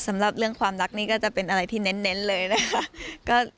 สำหรับเรื่องความรักนี่ก็จะเป็นอะไรที่เน้นเลยนะคะ